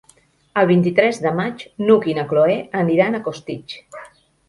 El vint-i-tres de maig n'Hug i na Cloè aniran a Costitx.